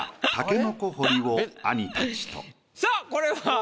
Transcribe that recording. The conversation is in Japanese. さあこれは？